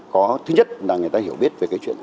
có thứ nhất là người ta hiểu biết về cái chuyện